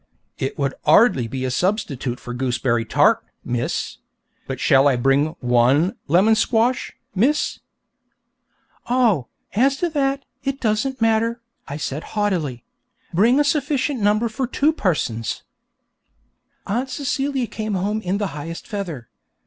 'It would 'ardly be a substitute for gooseberry tart, miss; but shall I bring one lemon squash, miss?' 'Oh, as to that, it doesn't matter,' I said haughtily; 'bring a sufficient number for two persons.' Aunt Celia came home in the highest feather.